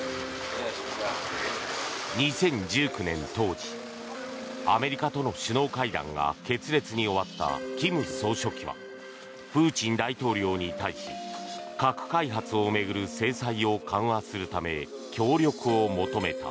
２０１９年当時アメリカとの首脳会談が決裂に終わった金総書記はプーチン大統領に対し核開発を巡る制裁を緩和するため協力を求めた。